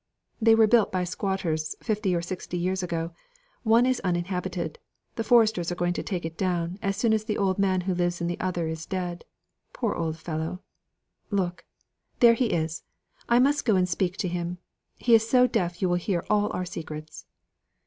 "They were built by squatters fifty or sixty years ago. One is uninhabited; the foresters are going to take it down, as soon as the other is dead, poor old fellow! Look there he is I must go and speak to him. He is so deaf you will hear all our secrets."